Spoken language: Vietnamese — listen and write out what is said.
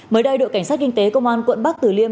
mới đây đội cảnh sát kinh tế công an quận bắc tử liêm